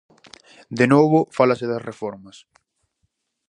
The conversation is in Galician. De novo fálase das reformas.